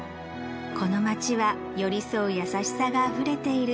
この街は寄り添う優しさがあふれている